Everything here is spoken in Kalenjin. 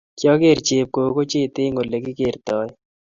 Kyaker chebkokochet eng olekikertoe.